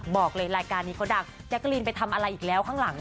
บอกเลยรายการนี้เขาดังแจ๊กกะลีนไปทำอะไรอีกแล้วข้างหลัง